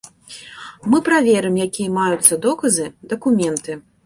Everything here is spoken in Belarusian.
Мы праверым, якія маюцца доказы, дакументы.